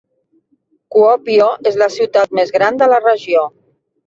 Kuopio es la ciutat més gran de la regió.